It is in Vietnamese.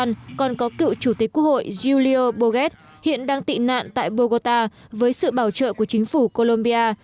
tổng thống maduro đang có cựu chủ tịch quốc hội julio borges hiện đang tị nạn tại bogota với sự bảo trợ của chính phủ colombia